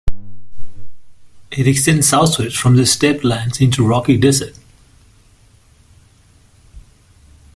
It extends southward from the steppe lands into rocky desert.